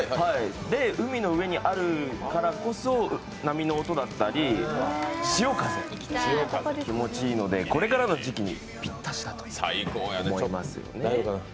海の上にあるからこそ波の音だったり潮風、気持ちいいのでこれからの時期にピッタシだと思いますよね。